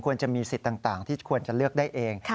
จะมีสิทธิ์ต่างที่ควรจะเลือกได้เอง